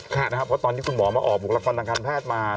เพราะตอนที่คุณหมอมาออกบุคลากรทางการแพทย์มา